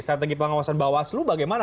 strategi pengawasan bawaslu bagaimana